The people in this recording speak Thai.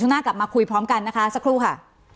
หน้ากลับมาคุยพร้อมกันนะคะสักครู่ค่ะ